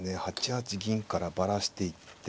８八銀からバラしていって。